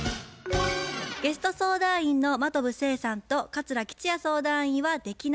ゲスト相談員の真飛聖さんと桂吉弥相談員は「できない」